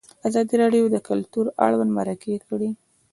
ازادي راډیو د کلتور اړوند مرکې کړي.